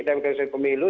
dan konteks pemilu